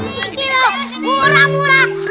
ini kira murah murah